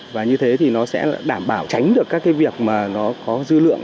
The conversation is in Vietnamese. và như thế thì nó sẽ đảm bảo tránh được các cái việc mà nó có dư lượng